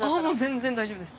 全然大丈夫です。